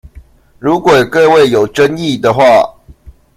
如果各位有爭議的話